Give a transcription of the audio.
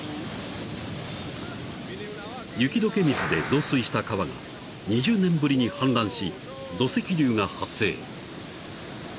［雪解け水で増水した川が２０年ぶりに氾濫し］